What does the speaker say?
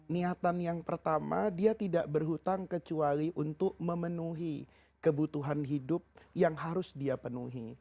niatan yang pertama dia tidak berhutang kecuali untuk memenuhi kebutuhan hidup yang harus dia penuhi